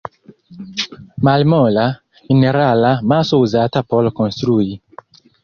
Malmola, minerala maso uzata por konstrui.